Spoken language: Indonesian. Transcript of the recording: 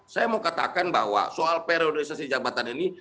saya mau katakan bahwa soal periodisasi jabatan ini